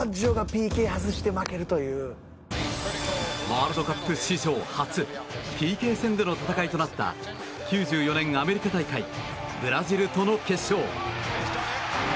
ワールドカップ史上初ＰＫ戦での戦いとなった９４年アメリカ大会ブラジルとの決勝。